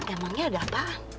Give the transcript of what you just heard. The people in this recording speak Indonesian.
emangnya ada apa